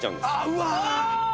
うわ！